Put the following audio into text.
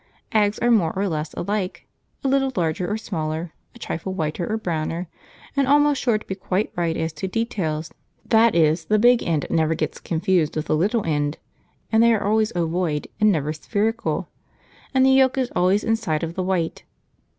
Eggs are more or less alike; a little larger or smaller, a trifle whiter or browner; and almost sure to be quite right as to details; that is, the big end never gets confused with the little end, they are always ovoid and never spherical, and the yolk is always inside of the white.